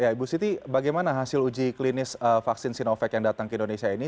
ya ibu siti bagaimana hasil uji klinis vaksin sinovac yang datang ke indonesia ini